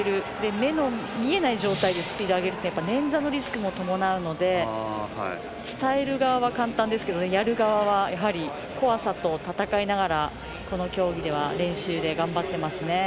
目の見えない状態でスピードを上げるってねんざのリスクも伴うので伝える側は簡単ですけどやる側は怖さと闘いながらこの競技は練習で頑張っていますね。